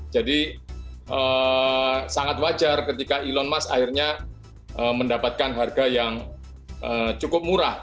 jadi sangat wajar ketika elon musk akhirnya mendapatkan harga yang cukup murah